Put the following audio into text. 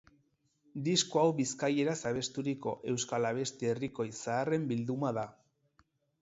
Disko hau bizkaieraz abesturiko euskal abesti herrikoi zaharren bilduma da.